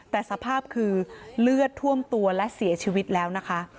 แต่สภาพคือเลือดท่วมตัวและเสียชีวิตแล้วนะคะ